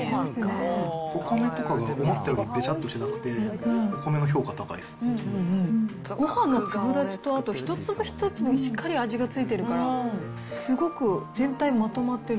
お米とかが思ったよりべちゃっとしてなくて、お米の評価高いごはんの粒立ちと、あと一粒一粒にしっかり味が付いてるから、すごく全体まとまってる。